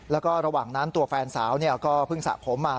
แล้วก็ระหว่างนั้นตัวแฟนสาวก็เพิ่งสระผมมา